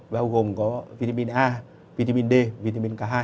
bao gồm có vitamin a vitamin d vitamin k hai